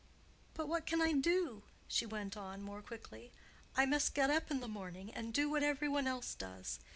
But what can I do?" she went on, more quickly. "I must get up in the morning and do what every one else does.